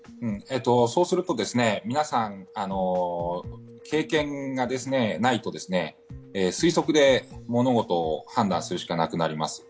皆さん、経験がないと推測で物事を判断するしかなくなります。